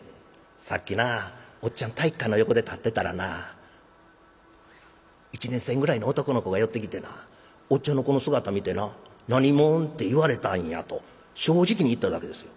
「さっきなおっちゃん体育館の横で立ってたらな一年生ぐらいの男の子が寄ってきてなおっちゃんのこの姿見てな『何者？』って言われたんや」と正直に言っただけですよ。